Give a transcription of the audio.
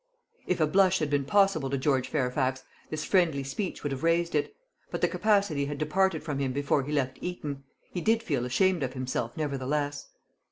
If a blush had been possible to George Fairfax, this friendly speech would have raised it; but the capacity had departed from him before he left Eton. He did feel ashamed of himself, nevertheless.